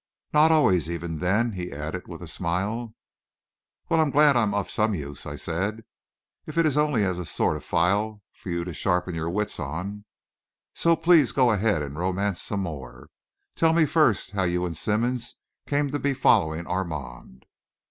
Not always, even then," he added, with a smile. "Well, I'm glad I'm of some use," I said, "if it is only as a sort of file for you to sharpen your wits on. So please go ahead and romance some more. Tell me first how you and Simmonds came to be following Armand."